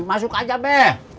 masuk aja be